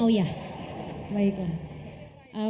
oh ya baiklah